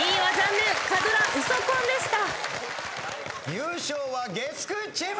優勝は月９チーム。